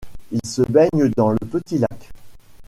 Ils se baignent dans le petit lac.